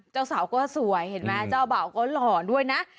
เจ้าสาวก็สวยเห็นไหมเจ้าบ่าวก็หล่อด้วยนะ